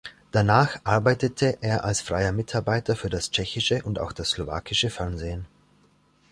Danach arbeitete er als freier Mitarbeiter für das tschechische und auch das slowakische Fernsehen.